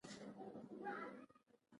هغوی د ښوونې په لاره خنډ و.